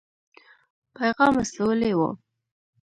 پیغام استولی وو.